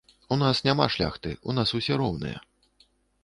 У нас няма шляхты, у нас усе роўныя.